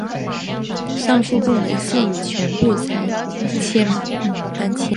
上述部门现已全部搬迁。